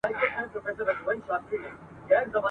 راځه ولاړ سو له دې ښاره مرور سو له جهانه !.